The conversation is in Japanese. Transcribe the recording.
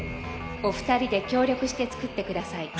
「お二人で協力して作って下さい」。